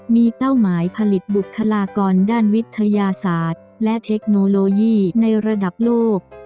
มีเป้าหมายผลิตบุคลากรด้านวิทยาศาสตร์และเทคโนโลยีในระดับโลก